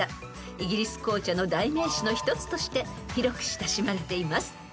［イギリス紅茶の代名詞の一つとして広く親しまれています］